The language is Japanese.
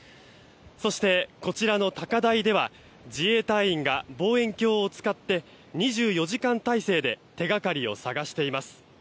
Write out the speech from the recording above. そして、こちらの高台では自衛隊員が望遠鏡を使って２４時間態勢で手掛かりを捜しています。